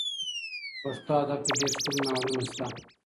په پښتو ادب کي ډېر ښکلي ناولونه سته.